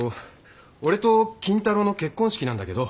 俺と金太郎の結婚式なんだけど。